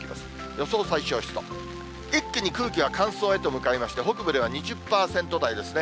予想最小湿度、一気に空気が乾燥へと向かいまして、北部では２０％台ですね。